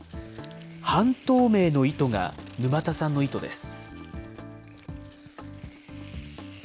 半透明の糸が沼田さんの糸です。